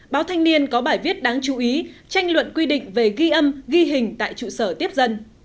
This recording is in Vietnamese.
báo thanh niên có bài viết đáng chú ý tranh luận quy định về ghi âm ghi hình tại trụ sở tiếp dân